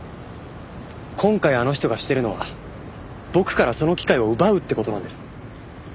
今回あの人がしてるのは僕からその機会を奪うって事なんです。